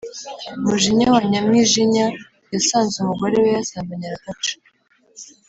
Mujinya wa Nyamwijinya yasanze umugore we yasambanye aragaca.